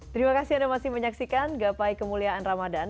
terima kasih anda masih menyaksikan gapai kemuliaan ramadan